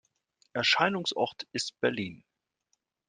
Erscheinungsort ist Berlin.